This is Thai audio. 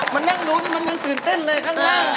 มันนั่งลุ้นมันยังตื่นเต้นเลยข้างล่าง